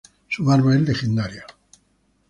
Su barba es legendaria.